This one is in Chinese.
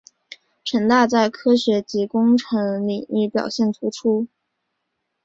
城大在科学及工程领域表现突出。